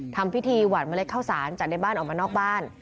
ทำพิธีหวานเมล็ดข้าวสารจากในบ้านออกมานอกบ้าน